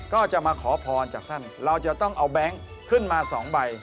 ก็จะมาขอพรจากท่านเราจะต้องเอาแบงค์ขึ้นมา๒ใบ